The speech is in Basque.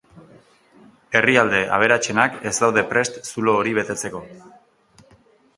Herrialde aberatsenak ez daude prest zulo hori betetzeko.